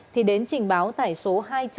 thì đến trình báo tài số hai trăm bốn mươi sáu